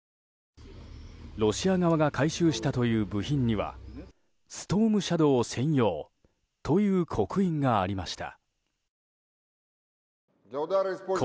ロシア側が回収したという部品には「ストームシャドー専用」という刻印がありました。